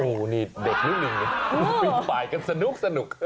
โอ้นี่เด็กหรือลิงลิงปินปลายกันสนุก